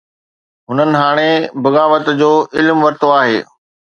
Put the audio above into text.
هنن هاڻي بغاوت جو علم ورتو آهي.